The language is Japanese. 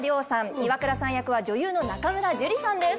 イワクラさん役は女優の中村樹里さんです。